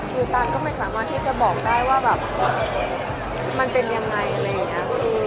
คือตันก็ไม่สามารถที่จะบอกได้ว่าแบบมันเป็นยังไงอะไรอย่างนี้